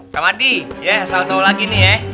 ramadi ya asal tahu lagi nih ya